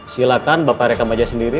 silakan bapak rekam aja sendiri